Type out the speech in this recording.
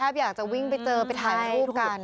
อยากจะวิ่งไปเจอไปถ่ายรูปกัน